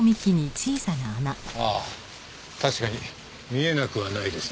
ああ確かに見えなくはないですね。